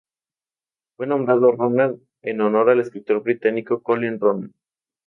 Fue nombrado Ronan en honor al escritor británico Colin Ronan.